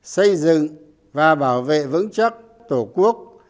xây dựng và bảo vệ vững chắc tổ quốc